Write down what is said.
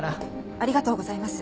ありがとうございます。